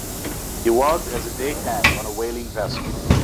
He worked as a deck hand on a whaling vessel.